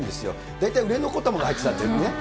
大体売れ残ったものが入ってたんだよね。